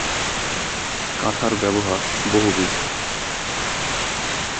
কাঁথার ব্যবহার বহুবিধ।